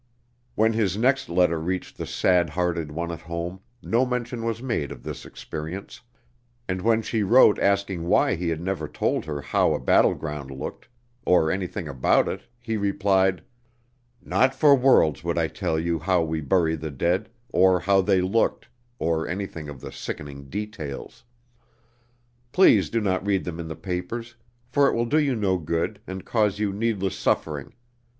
When his next letter reached the sad hearted one at home, no mention was made of this experience, and when she wrote asking why he had never told her how a battleground looked, or anything about it, he replied: "Not for worlds would I tell you how we bury the dead, or how they looked, or anything of the sickening details. Please do not read them in the papers, for it will do you no good, and cause you needless suffering.